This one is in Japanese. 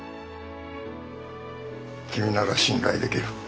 君なら信頼できる。